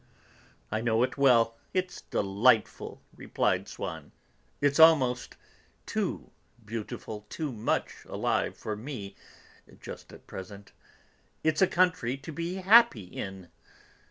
"I know it well, it's delightful!" replied Swann. "It's almost too beautiful, too much alive for me just at present; it's a country to be happy in.